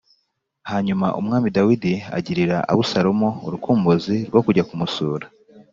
Hanyuma Umwami Dawidi agirira Abusalomu urukumbuzi rwo kujya kumusura